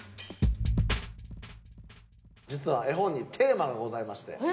実は絵本にテーマがございまして。